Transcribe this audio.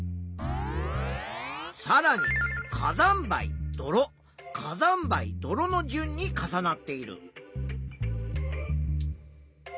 さらに火山灰泥火山灰泥の順に重なっている。